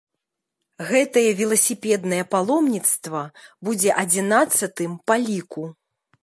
Гэтае веласіпеднае паломніцтва будзе адзінаццатым па ліку.